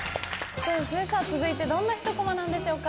続いてどんなひとコマなんでしょうか。